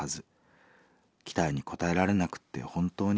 期待に応えられなくって本当にごめんなさい。